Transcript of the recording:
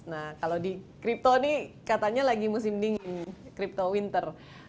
nah kalau di crypto ini katanya lagi musim dingin crypto winter